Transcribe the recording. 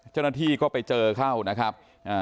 เจ้าหน้าที่ก็ไปเจอเข้านะครับ